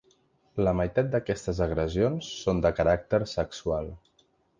La meitat d’aquestes agressions són de caràcter sexual.